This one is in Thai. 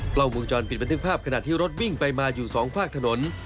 กล้องวงจรปิดบันทึกภาพขณะที่รถวิ่งไปมาอยู่สองฝากถนน